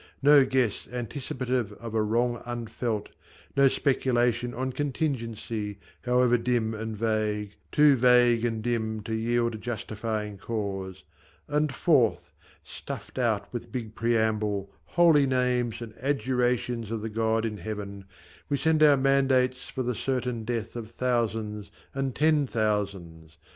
No guess Anticipative of a wrong unfelt, No speculation on contingency, However dim and vague, too vague and dim To yield a justifying cause ; and forth, (Stuffed out with big preamble, holy names, And adjurations of the God in Heaven,) We send our mandates for the certain death Of thousands and ten thousands